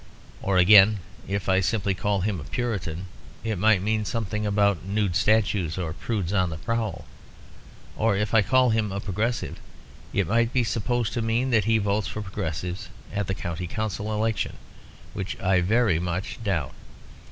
Or, again, if I simply called him a Puritan, it might mean something about nude statues or "prudes on the prowl." Or if I called him a Progressive, it might be supposed to mean that he votes for Progressives at the County Council election, which I very much doubt.